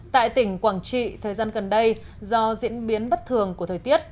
tại tỉnh quảng trị thời gian gần đây do diễn biến bất thường của thời tiết